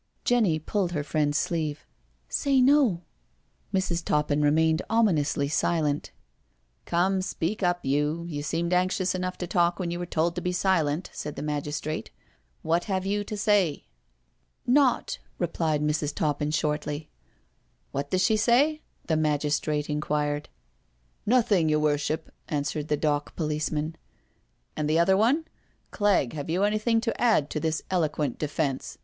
Jenny pulled her friend's sleeve. " Say no." Mrs. Toppin remained ominously silent. " Come, speak up — you, you seemed anxious enough to talk when you were told to be silent," said the magistrate. "What have you to say?" BEFORE THE MAGISTRATE loi "Naught/' replied Mrs. Toppin shortly. " What does she say?" the magistrate inquired. •• Nothing, your worship," answered the dock police man. *^«" And the other one? Clegg, have you anything to add to this eloquent defence?"